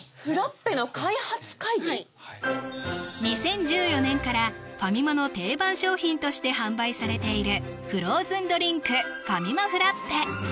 はい２０１４年からファミマの定番商品として販売されているフローズンドリンクファミマフラッペ